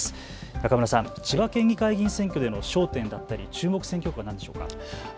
中村さん、千葉県議会議員選挙での焦点だったり注目選挙区は何でしょうか。